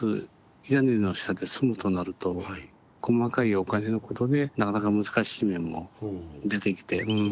屋根の下で住むとなると細かいお金のことでなかなか難しい面も出てきてうん。